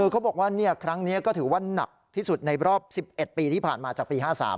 เขาบอกว่าครั้งนี้ก็ถือว่าหนักที่สุดในรอบ๑๑ปีที่ผ่านมาจากปี๕๓